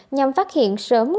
nhằm phát hiện sớm